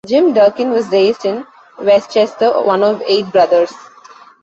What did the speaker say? Jim Durkin was raised in Westchester, one of eight brothers.